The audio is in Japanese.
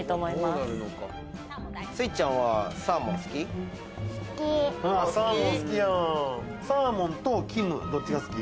すいちゃんはサーモン、好き？